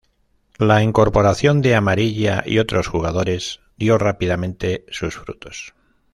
La incorporación de Amarilla y otros jugadores dio rápidamente sus frutos.